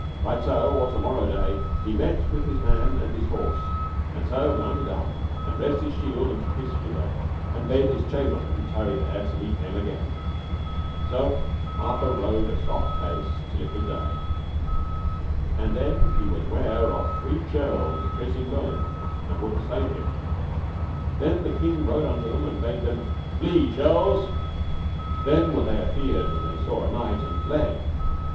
Right so or to morrow day he met with his man and his horse, and so mounted up and dressed his shield and took his spear, and bade his chamberlain tarry there till he came again. And so Arthur rode a soft pace till it was day, and then was he ware of three churls chasing Merlin, and would have slain him. Then the king rode unto them, and bade them: Flee, churls! then were they afeard when they saw a knight, and fled.